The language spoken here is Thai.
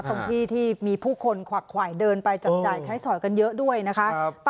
ตรงที่ที่มีผู้คนขวักขวายเดินไปจับจ่ายใช้สอยกันเยอะด้วยนะคะ